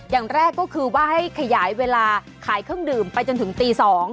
อย่างแรกก็คือว่าให้ขยายเวลาขายเครื่องดื่มไปจนถึงตี๒